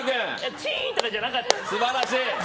チーンとかじゃなかったです。